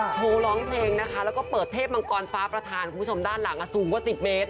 ร้องเพลงนะคะแล้วก็เปิดเทพมังกรฟ้าประธานคุณผู้ชมด้านหลังสูงกว่า๑๐เมตร